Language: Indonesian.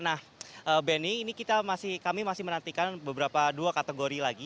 nah benny ini kami masih menantikan beberapa dua kategori lagi